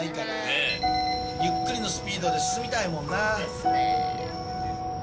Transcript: ゆっくりのスピードで進みたいもんな。